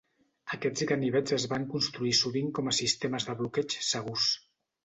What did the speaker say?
Aquests ganivets es van construir sovint com a a sistemes de bloqueig segurs.